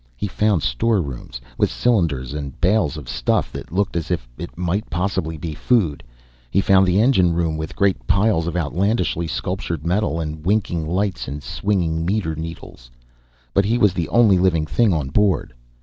He found storerooms, with cylinders and bales of stuff that looked as if it might possibly be food; he found the engine room, with great piles of outlandishly sculptured metal and winking lights and swinging meter needles. But he was the only living thing on board.